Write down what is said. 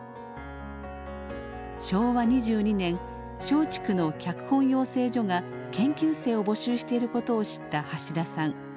昭和２２年松竹の脚本養成所が研究生を募集していることを知った橋田さん。